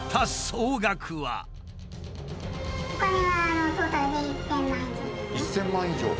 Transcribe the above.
お金は１，０００万以上。